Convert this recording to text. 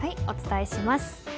お伝えします。